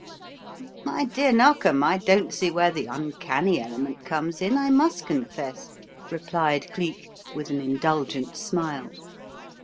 "My dear Narkom, I don't see where the uncanny element comes in, I must confess," replied Cleek with an indulgent smile.